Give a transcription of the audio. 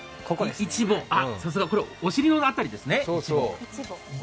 さすが、お尻の辺りですね